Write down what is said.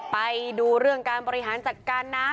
ไปดูเรื่องการบริหารจัดการนะ